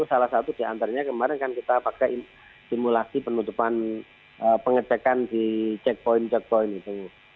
salah satu diantaranya kemarin kan kita pakai simulasi penutupan pengecekan di checkpoint checkpoint itu